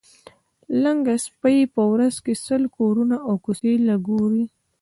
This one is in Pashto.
لنګه سپۍ په ورځ کې سل کورونه او کوڅې را ګوري.